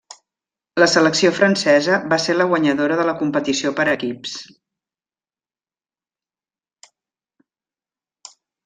La selecció francesa va ser la guanyadora de la competició per equips.